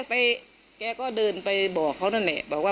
ปรากฏว่ายิงใส่หลายนัดเลยค่ะ